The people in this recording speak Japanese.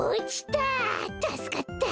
たすかった。